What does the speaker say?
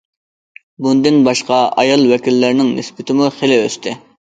بۇندىن باشقا، ئايال ۋەكىللەرنىڭ نىسبىتىمۇ خېلى ئۆستى.